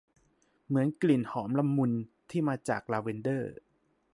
เหมือนกลิ่นหอมละมุน ที่มาจากลาเวนเดอร์